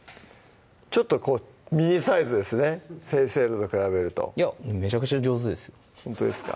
ちょっとこうミニサイズですね先生のと比べるといやめちゃくちゃ上手ですほんとですか？